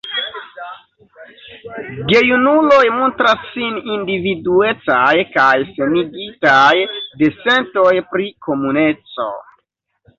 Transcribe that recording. Gejunuloj montras sin individuecaj kaj senigitaj de sentoj pri komuneco.